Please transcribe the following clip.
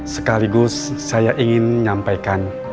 sekaligus saya ingin menyampaikan